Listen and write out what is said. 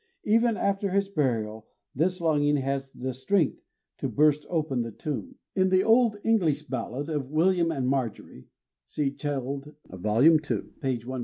Even after his burial, this longing has the strength to burst open the tomb. In the old English ballad of "William and Marjorie" (see Child: vol. ii. p.